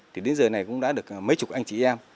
thì đến giờ này cũng đã được mấy chục anh chị em